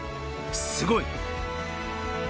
すごい！